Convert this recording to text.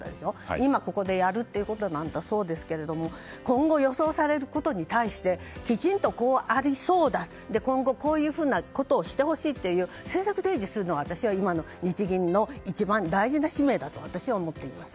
今、ここでやるということはそうですけども今後、予想されることに対してきちんとこうありそうだそれで、今後こういうことをしてほしいと政策提示するのが今の日銀の一番大事な使命だと私は思っています。